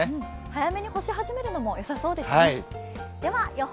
早めに干し始めるのもよさそうですね。